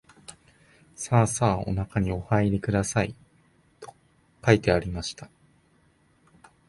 さあさあおなかにおはいりください、と書いてありました